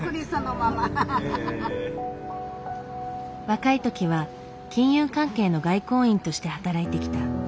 若い時は金融関係の外交員として働いてきた。